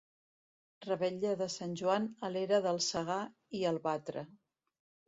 Revetlla de Sant Joan a l'era del Segar i el Batre.